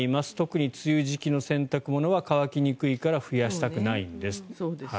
特に梅雨時期の洗濯物は乾きにくいから増やしたくないんです。